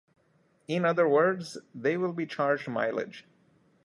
In other words, they will be charged mileage.